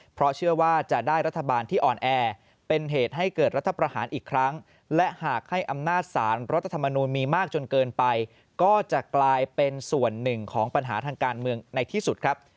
เพราะเชื่อว่าจะได้รัฐบาลที่อ่อนแอเป็นเหตุให้เกิดรัฐประหารอีกครั้งและหากให้อำนาจสารรัฐธรรมนูลมีมากจนเกินไปก็จะกลายเป็นส่วนหนึ่งของปัญหาทางการเมืองในที่สุดครับ